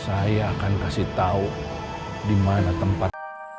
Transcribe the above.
saya akan kasih tau dimana tempat